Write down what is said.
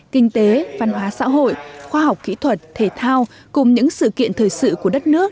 kinh tế văn hóa xã hội khoa học kỹ thuật thể thao cùng những sự kiện thời sự của đất nước